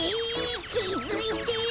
きづいてよ。